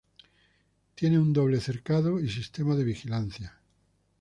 Tiene un doble cercado y sistema de vigilancia.